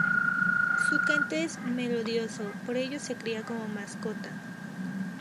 Su canto es melodioso por ello se cría como mascota.